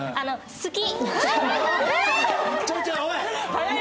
好き！